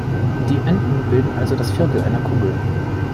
Die Enden bilden also das Viertel einer Kugel.